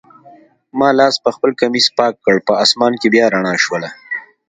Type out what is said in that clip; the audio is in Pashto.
ما لاس پخپل کمیس پاک کړ، په آسمان کي بیا رڼا شول.